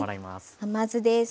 甘酢です。